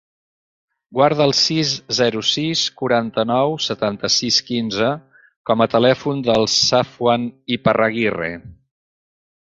Guarda el sis, zero, sis, quaranta-nou, setanta-sis, quinze com a telèfon del Safwan Iparraguirre.